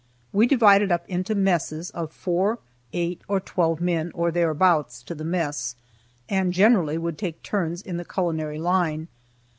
We divided up into messes, of four, eight, or twelve men, or thereabouts, to the mess, and generally would take turns in the culinary line.